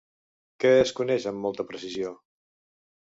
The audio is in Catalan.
Què es coneix amb molta precisió?